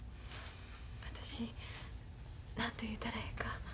私何と言うたらええか。